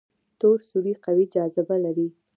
تور سوري قوي جاذبه لري.